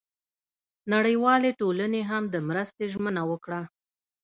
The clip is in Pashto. نړیوالې ټولنې هم د مرستې ژمنه وکړه.